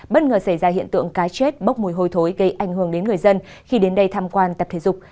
bất ngờ xảy ra hiện tượng cá chết bốc mùi hôi thối gây ảnh hưởng đến người dân khi đến đây tham quan tập thể dục